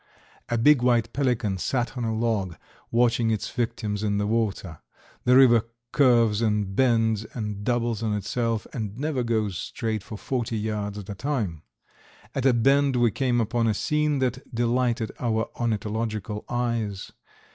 A big white pelican sat on a log watching its victims in the water. The river curves and bends and doubles on itself, and never goes straight for forty yards at a time. At a bend we came upon a scene that delighted our ornithological eyes.